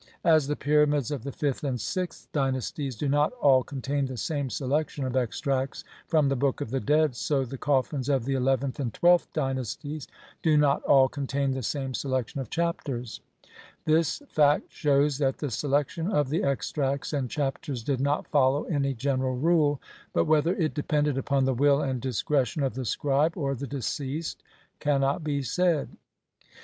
As the pyramids of the fifth and sixth dynasties do not all contain the same selection of extracts from the Book of the Dead, so the coffins of the eleventh and twelfth dynasties do not all contain the same selection of Chapters ; this fact shews that the selection of the extracts and Chapters did not follow any general rule, but whether it depended upon the will and discretion of the scribe or the deceased cannot be said.